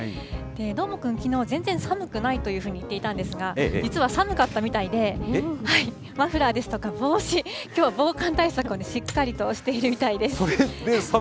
どーもくん、きのう全然寒くないというふうに言っていたんですが、実は寒かったみたいで、マフラーですとか帽子、きょうは防寒対策をしっかりとしているみたいです。